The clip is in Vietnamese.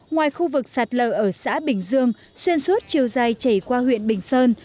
ngoài khu vực sạt lở ở xã bình dương xuyên suốt chiều dài chảy qua huyện bình sơn